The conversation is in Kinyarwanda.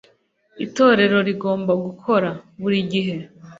itorero rigomba gukora. burigihe